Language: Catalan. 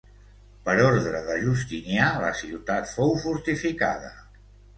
Per ordre de Justinià la ciutat fou fortificada.